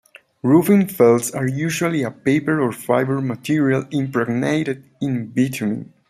Roofing felts are usually a 'paper' or fiber material impregnated in bitumen.